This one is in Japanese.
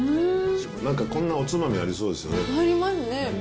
なんか、こんなおつまみありそうですよね？